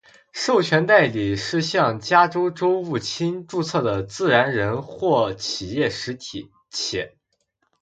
授权代理是向加州州务卿注册的自然人或企业实体；且